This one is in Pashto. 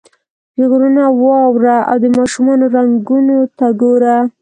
پیغورونه واوره او د ماشومانو رنګونو ته ګوره.